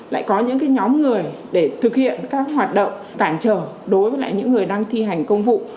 lại có những nhóm người để thực hiện các hoạt động cản trở đối với lại những người đang thi hành công vụ